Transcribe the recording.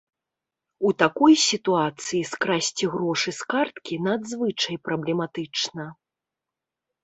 У такой сітуацыі скрасці грошы з карткі надзвычай праблематычна.